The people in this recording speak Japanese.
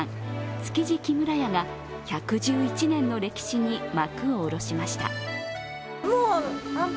築地木村家が１１１年の歴史に幕を下ろしました。